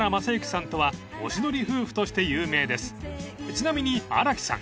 ［ちなみに荒木さん